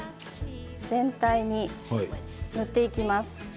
全体に塗っていきます。